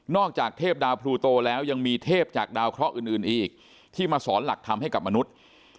จากเทพดาวพลูโตแล้วยังมีเทพจากดาวเคราะห์อื่นอีกที่มาสอนหลักทำให้กับมนุษย์